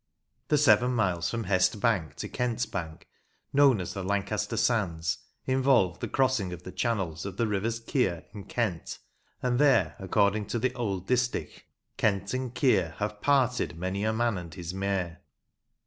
The seven miles from Hest Bank to Kent's Bank, known as the Lancaster sands, involved the crossing of the channels of the rivers Keer and Kent, and there, according to the old distich, Kent and Keer Have parted many a man and his mare.